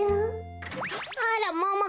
あらもも